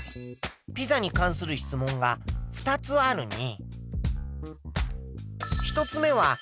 ピザに関する質問が２つあるね。